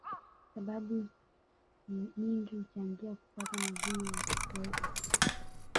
Sababu njingi huchangia kupata mavuno ya tofauti